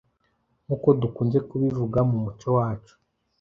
Nk’uko dukunze kubivuga mu muco wacu